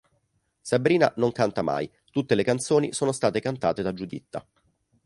Sabrina non canta mai: tutte le canzoni sono state cantate da Giuditta.